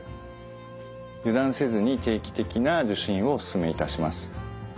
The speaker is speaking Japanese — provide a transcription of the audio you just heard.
油断せずに定期的な受診をお勧めいたします。